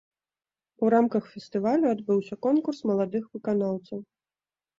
У рамках фестывалю адбыўся конкурс маладых выканаўцаў.